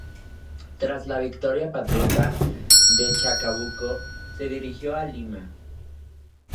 Tras la victoria patriota en Chacabuco, se dirigió a Lima.